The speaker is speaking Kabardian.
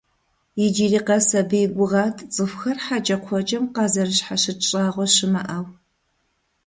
Иджыри къэс абы и гугъат цӀыхухэр хьэкӀэкхъуэкӀэм къазэрыщхьэщыкӀ щӀагъуэ щымыӀэу.